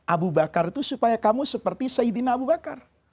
abu bakar itu supaya kamu seperti sayyidina abu bakar